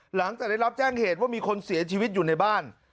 หลังจากได้รับแจ้งเหตุว่ามีคนเสียชีวิตอยู่ในบ้าน